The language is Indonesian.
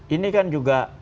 ini kan juga